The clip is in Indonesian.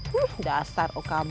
huh dasar okb